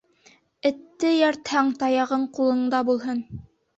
Этте эйәртһәң, таяғың ҡулыңда булһын.